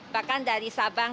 bahkan dari sabang